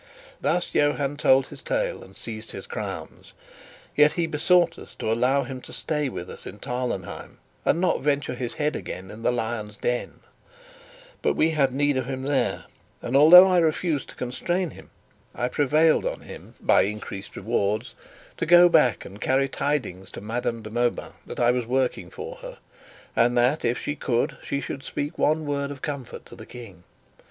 Thus Johann told his tale and seized his crowns. Yet he besought us to allow him to stay with us in Tarlenheim, and not venture his head again in the lion's den; but we had need of him there, and, although I refused to constrain him, I prevailed on him by increased rewards to go back and carry tidings to Madame de Mauban that I was working for her, and that, if she could, she should speak one word of comfort to the King.